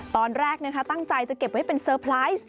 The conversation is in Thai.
ตอนแรกตั้งใจจะเก็บไว้เป็นเซอร์ไพรส์